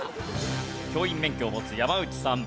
教員免許を持つ山内さん